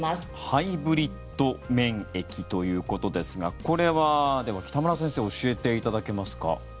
ハイブリッド免疫ということですがこれは、では、北村先生教えていただけますか？